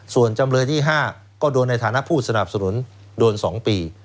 ส่วนจำเลยที่๕ก็โดนในฐานะผู้สนับสนุนโดน๒ปี